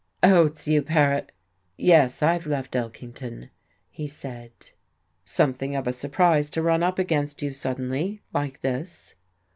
"Oh, it's you, Paret. Yes, I've left Elkington," he said. "Something of a surprise to run up against you suddenly, like this."